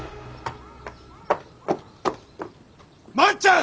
万ちゃん！